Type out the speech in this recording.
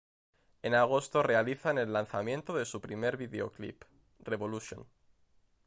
En agosto realizan el lanzamiento de su primer videoclip, Revolution.